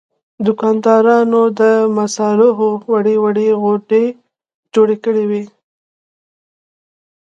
دوکاندارانو د مصالحو وړې وړې غونډۍ جوړې کړې وې.